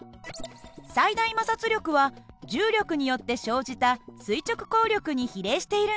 最大摩擦力は重力によって生じた垂直抗力に比例しているんです。